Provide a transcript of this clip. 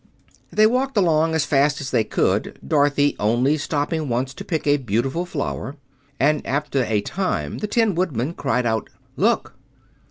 They walked along as fast as they could, Dorothy only stopping once to pick a beautiful flower; and after a time the Tin Woodman cried out: "Look!"